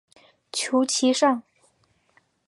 求其上